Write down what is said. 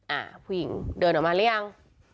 อ่าผู้หญิงเดินออกมาหรือยัง